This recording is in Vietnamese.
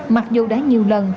mặc dù đã nhiều lần